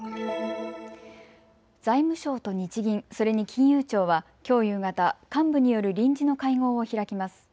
財務省と日銀、それに金融庁はきょう夕方、幹部による臨時の会合を開きます。